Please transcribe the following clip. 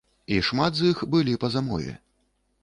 І шмат з іх былі па замове.